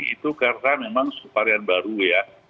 itu karena memang subvarian baru ya